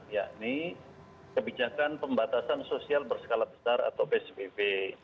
yakni kebijakan pembatasan sosial berskala besar atau psbb